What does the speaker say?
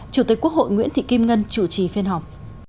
chủ tịch quốc hội nguyễn thị kim ngân chủ trì phiên họp